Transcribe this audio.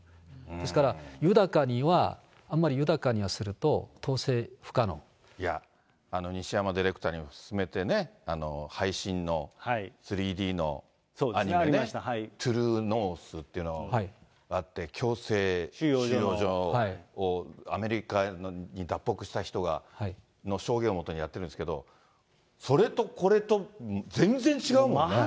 ですから、豊かには、あんまり豊かにすると、いや、西山ディレクターにも勧めてね、配信の３Ｄのアニメね、トゥルーノースっていうのがあって、強制収容所のアメリカに脱北した人の証言を基にやってるんですけれども、それとこれと全然違うもんね。